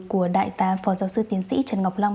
của đại tá phó giáo sư tiến sĩ trần ngọc long